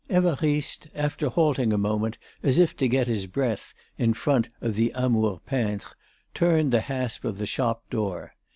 Évariste, after halting a moment as if to get his breath in front of the Amour peintre, turned the hasp of the shop door.